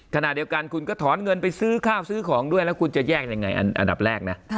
ขณะเดียวกันคุณก็ถอนเงินไปซื้อข้าวซื้อของด้วยแล้วคุณจะแยกยังไงอันดับแรกนะ